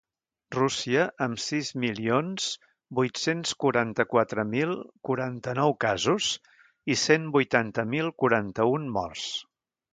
Rússia, amb sis milions vuit-cents quaranta-quatre mil quaranta-nou casos i cent vuitanta mil quaranta-un morts.